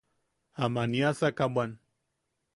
Am aniasaka bwan.